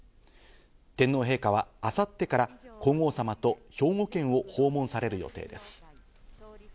天皇陛下は明後日から皇后さまと兵庫県を訪問される予定です。